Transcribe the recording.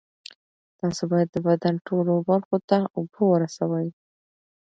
تاسو باید د بدن ټولو برخو ته اوبه ورسوي.